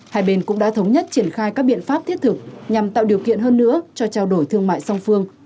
hai bên cũng đã thống nhất triển khai các biện pháp thiết thực nhằm tạo điều kiện hơn nữa cho trao đổi thương mại song phương